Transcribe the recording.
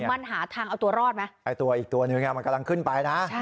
มันหาทางเอาตัวรอดไหมไอ้ตัวอีกตัวนึงมันกำลังขึ้นไปนะ